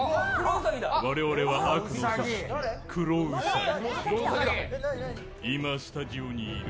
我々は悪の組織クロウサギ。